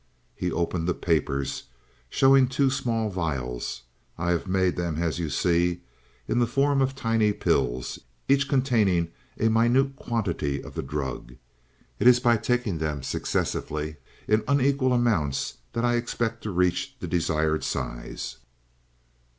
He opened the papers, showing two small vials. "I have made them as you see, in the form of tiny pills, each containing a minute quantity of the drug. It is by taking them successively in unequal amounts that I expect to reach the desired size."